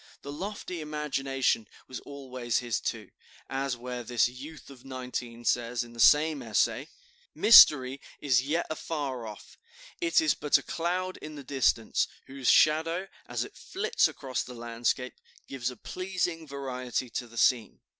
The lofty imagination was always his, too, as where this youth of nineteen says in the same essay: "Mystery is yet afar off, it is but a cloud in the distance, whose shadow, as it flits across the landscape, gives a pleasing variety to the scene.